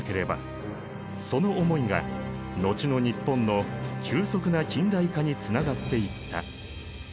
その思いが後の日本の急速な近代化につながっていった。